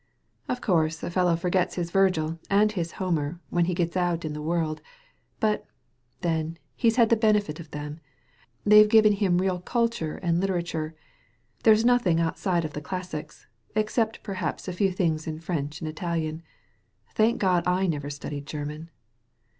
Of course a fellow forgets his Virgil and his Homer when he gets out in the world. But, then, he's had the benefit of them; they've given him real culture and liter ature. There's nothing outside of the classics, ex cept perhaps a few things in French and Italian. Thank God I never studied German